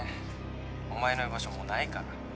お前の居場所もうないから。